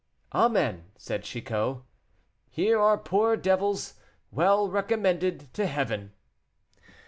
"Amen," said Chicot; "here are poor devils well recommended to Heaven."